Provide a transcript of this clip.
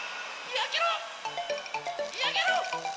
やけろ！